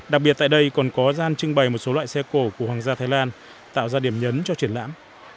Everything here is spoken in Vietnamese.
đặc biệt tại đây còn có gian trưng bày một số loại xe cổ của hoàng gia thái lan tạo ra điểm nhấn cho triển lãm